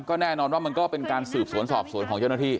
ก็แน่นอนว่ามันก็เป็นการสืบสวนสอบสวนของเจ้าหน้าที่